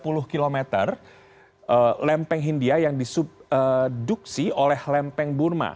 pusatnya adalah lempeng india yang disubduksi oleh lempeng burma